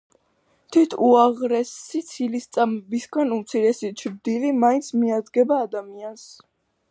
თვით უაღრესი ცილისწამებისგან უმცირესი ჩრდილი მაინც მიადგება ადამიანს.